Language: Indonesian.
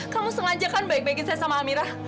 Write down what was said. kamu sengaja kan baik baikin saya sama amira